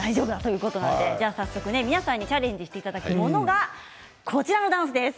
早速、皆さんにチャレンジしていただくものはこちらのダンスです。